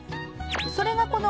［それがこの］